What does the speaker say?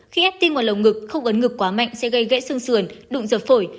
khi ép tim vào lồng ngực không ấn ngực quá mạnh sẽ gây gãy sương sườn đụng dập phổi